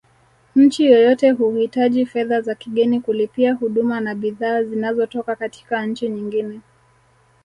Nchi yoyote huhitaji fedha za kigeni kulipia huduma na bidhaa zinazotoka katika nchi nyingine